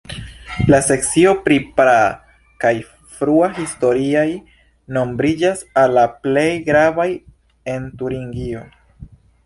La sekcio pri praa kaj frua historiaj nombriĝas al la plej gravaj en Turingio.